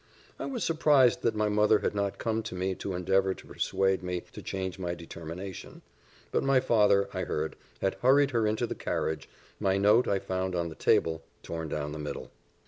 I was surprised that my mother had not come to me to endeavour to persuade me to change my determination; but my father, I heard, had hurried her into the carriage my note I found on the table torn down the middle.